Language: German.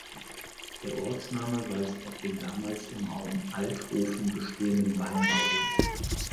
Der Ortsname weist auf den damals im Raum Althofen bestehenden Weinbau hin.